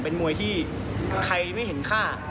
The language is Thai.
เป็นมวยที่ใครไม่เห็นค่า